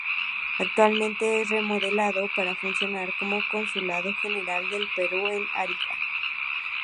Actualmente es remodelado para funcionar como Consulado General del Perú en Arica.